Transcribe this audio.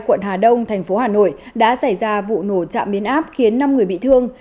quận hà đông thành phố hà nội đã xảy ra vụ nổ trạm biến áp khiến năm người bị thương